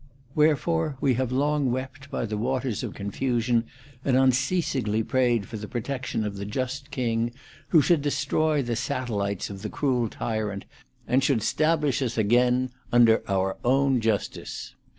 Wherefore we have long wept by the waters of Oonfusion, and un ceasingly prayed for the protection of the just king, who should destroy the satellites of the cruel tyrant, and should stablish us again under our own justice.